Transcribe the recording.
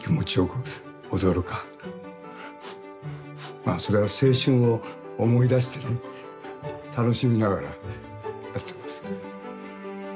まあそれは青春を思い出してね楽しみながらやってます。